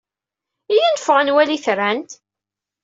Iyya ad neffeɣ ad wali itran.